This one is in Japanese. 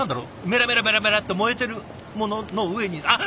メラメラメラメラと燃えてるものの上にあっ！